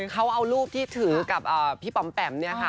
เขาเอารูปที่ถือกับพี่ปำแปมเนี่ยค่ะ